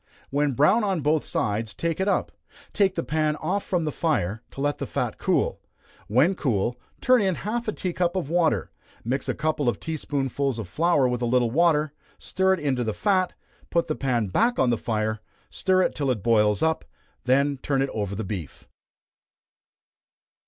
When brown on both sides, take it up, take the pan off from the fire, to let the fat cool; when cool, turn in half a tea cup of water, mix a couple of tea spoonsful of flour with a little water, stir it into the fat, put the pan back on the fire, stir it till it boils up, then turn it over the beef.